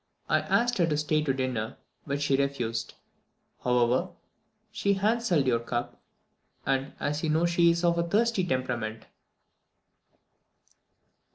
I asked her to stay to dinner, which she refused. However, we hanselled your cup, as you know she is of a thirsty temperament."